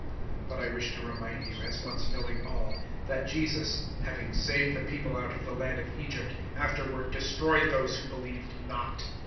(5)But I wish to remind you, as once knowing all, that Jesus, having saved the people out of the land of Egypt, afterward destroyed those who believed not.